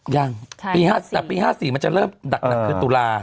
ยังแต่ปี๕๔มันจะเริ่มหนักคือตุลา